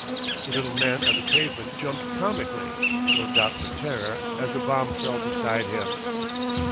The little man on the pavement jumped comically no doubt with terror, as the bomb fell beside him.